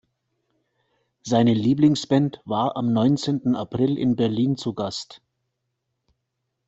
Seine Lieblingsband war am neunzehnten April in Berlin zu Gast.